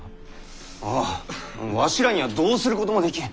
ああわしらにはどうすることもできん。